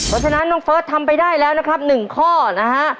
เพราะฉะนั้นน้องเฟิร์สทำไปได้แล้วนะครับ๑ข้อนะฮะ